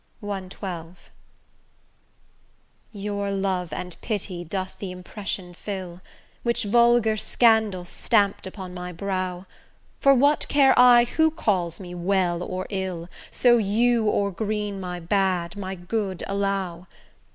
CXII Your love and pity doth the impression fill, Which vulgar scandal stamp'd upon my brow; For what care I who calls me well or ill, So you o'er green my bad, my good allow?